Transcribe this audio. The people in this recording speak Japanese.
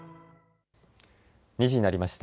２時になりました。